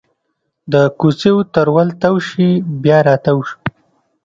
د کوڅېو تر ول تاو شي بیا راتاو